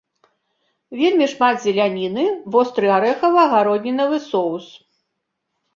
Вельмі шмат зеляніны, востры арэхава-гароднінавы соус.